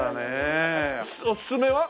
おすすめは？